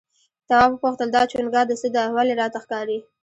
تواب وپوښتل دا چونگا د څه ده ولې راته ښکاري؟